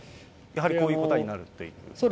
やはりこういう答えになるという。